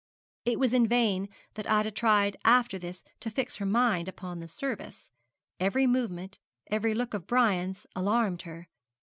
It was in vain that Ida tried after this to fix her mind upon the service every movement, every look of Brian's, alarmed her.